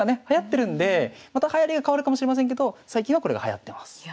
はやってるんでまたはやりが変わるかもしれませんけど最近はこれがはやってます。